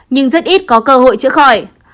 nhưng rất ít có cơ hội chữa khỏi